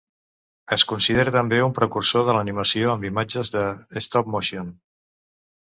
Es considera també un precursor de l'animació amb imatges de stop-motion.